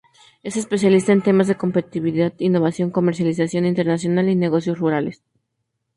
Es especialista en temas de competitividad, innovación, comercialización internacional y negocios rurales.